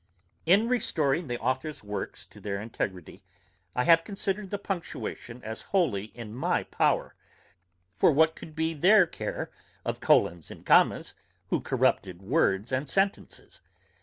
In restoring the author's works to their integrity, I have considered the punctuation as wholly in my power; for what could be their care of colons and commas, who corrupted words and sentences.